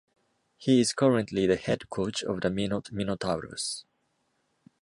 He is currently the head coach of the Minot Minotauros.